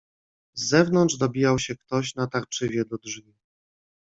"Z zewnątrz dobijał się ktoś natarczywie do drzwi."